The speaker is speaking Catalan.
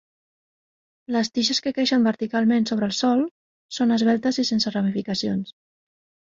Les tiges que creixen verticalment sobre el sòl són esveltes i sense ramificacions.